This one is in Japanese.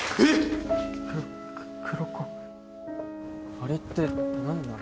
あれって何なの？